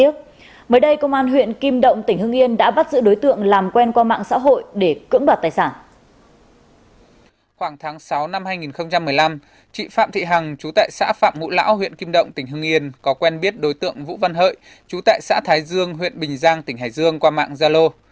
khoảng tháng sáu năm hai nghìn một mươi năm chị phạm thị hằng chú tại xã phạm ngũ lão huyện kim động tỉnh hưng yên có quen biết đối tượng vũ văn hợi chú tại xã thái dương huyện bình giang tỉnh hải dương qua mạng gia lô